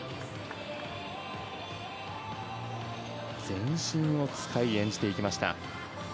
全身を使い演じていきました。